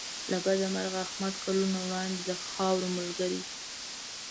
له بده مرغه احمد کلونه وړاندې د خاورو ملګری شو.